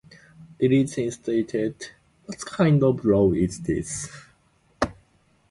Lily Chin stated: What kind of law is this?